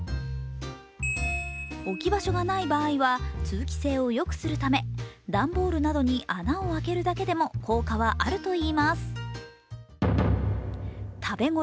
置き場所がない場合は通気性をよくするため段ボールなどに穴を開けるだけでも効果はあるといいます。